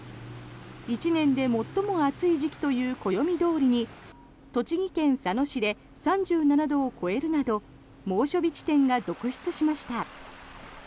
１年で最も暑い時期という暦どおりに栃木県佐野市で３７度を超えるなど猛暑日地点が続出しました。